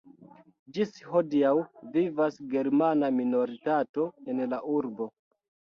Ĝis hodiaŭ vivas germana minoritato en la urbo.